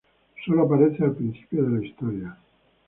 Solo aparece al principio de la historia.